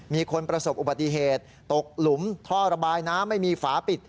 มีคนประสบอุบัติเหตุตกหลุมท่อระบายน้ำไม่มีฝาปิด